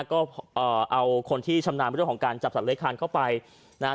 ก็เอาคนที่ชำนาญไม่ได้รู้ของการจับสัตว์เล็กทางเข้าไปนะฮะ